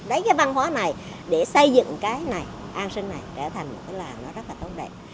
lấy cái văn hóa này để xây dựng cái này an sinh này trở thành một cái làng nó rất là tốt đẹp